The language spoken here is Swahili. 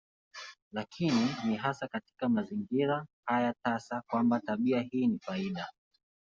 Lakini ni hasa katika mazingira haya tasa kwamba tabia hii ni faida.